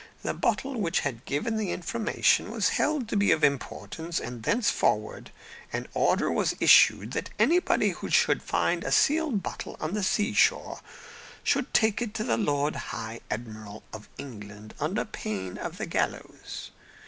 The bottle which had given the information was held to be of importance; and thenceforward an order was issued that anybody who should find a sealed bottle on the sea shore should take it to the Lord High Admiral of England, under pain of the gallows.